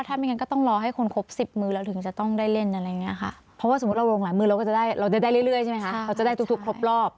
ไปเรื่อยใช่ไหมคะเขาจะได้ทุกครบรอบ